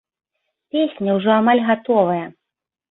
Песня ўжо амаль гатовая.